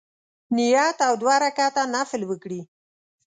نیت او دوه رکعته نفل وکړي.